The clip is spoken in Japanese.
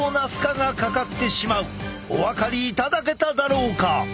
お分かりいただけただろうか。